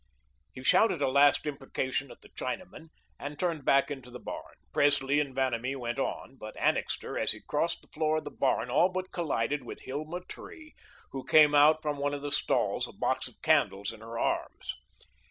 He shouted a last imprecation at the Chinaman and turned back into the barn. Presley and Vanamee went on, but Annixter, as he crossed the floor of the barn, all but collided with Hilma Tree, who came out from one of the stalls, a box of candles in her arms.